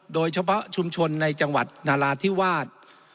โดยเฉพาะชุมชนในจังหวัดนาราธิวาส